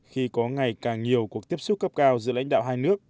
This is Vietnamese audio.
khi có ngày càng nhiều cuộc tiếp xúc cấp cao giữa lãnh đạo hai nước